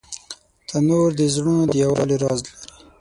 تنور د زړونو د یووالي راز لري